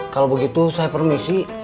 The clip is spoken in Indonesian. kalau begitu saya permisi